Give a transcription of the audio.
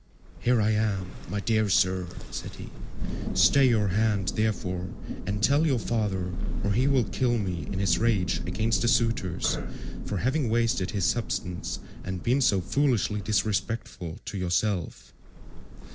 "Here I am, my dear sir," said he, "stay your hand therefore, and tell your father, or he will kill me in his rage against the suitors for having wasted his substance and been so foolishly disrespectful to yourself."